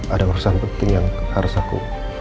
ada urusan penting yang harus aku